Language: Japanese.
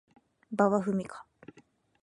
馬場ふみか